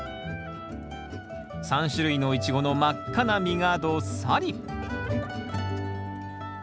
３種類のイチゴの真っ赤な実がどっさり！